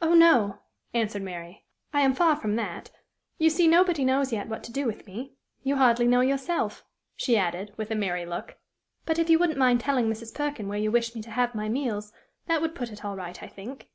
"Oh, no!" answered Mary; "I am far from that. You see nobody knows yet what to do with me. You hardly know yourself," she added, with a merry look. "But, if you wouldn't mind telling Mrs. Perkin where you wish me to have my meals, that would put it all right, I think."